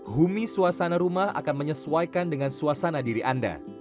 humi suasana rumah akan menyesuaikan dengan suasana diri anda